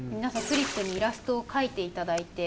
フリップにイラストを描いていただいて。